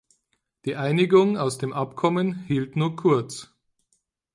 Die Einigung aus dem Abkommen hielt nur kurz.